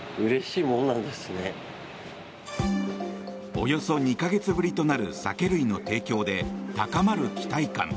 およそ２か月ぶりとなる酒類の提供で高まる期待感。